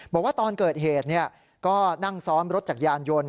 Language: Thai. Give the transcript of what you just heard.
บอกว่าตอนเกิดเหตุก็นั่งซ้อนรถจักรยานยนต์